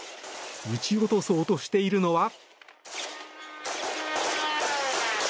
撃ち落とそうとしているのは。